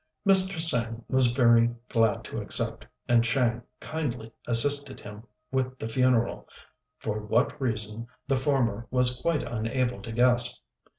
Mr. Tsêng was very glad to accept, and Chang kindly assisted him with the funeral, for what reason the former was quite unable to guess.